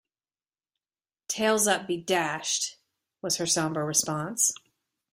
"Tails up be dashed," was her sombre response.